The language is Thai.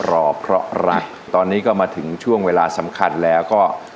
รอเพราะรักตอนนี้ก็มาถึงช่วงเวลาสำคัญแล้วก็